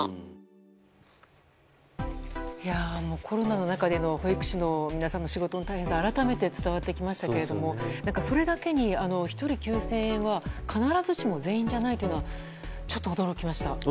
コロナの中での保育士の皆さんの仕事の大変さが改めて伝わってきましたけどもそれだけに１人９０００円は必ずしも全員じゃないというのはちょっと驚きました。